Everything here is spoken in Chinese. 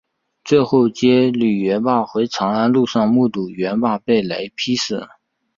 最后接李元霸回长安路上目睹元霸被雷劈死。